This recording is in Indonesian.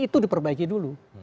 itu diperbaiki dulu